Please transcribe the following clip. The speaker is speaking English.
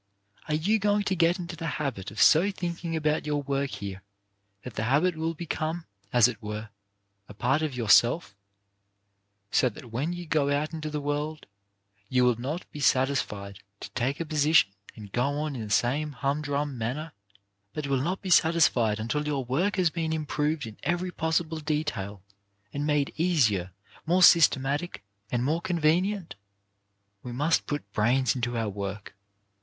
' Are you going to get into the habit of so thinking about your work here that the habit will become, as it were, a part of yourself, so that when you go out into the world you will not be satisfied to take a position and go on in the same humdrum manner, but will not be satisfied until your work has been im proved in every possible detail, and made easier, more systematic, and more convenient ? We must put brains into our work.